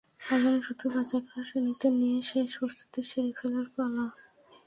এখন শুধু বাছাই করা সৈনিকদের নিয়ে শেষ প্রস্তুতি সেরে ফেলার পালা।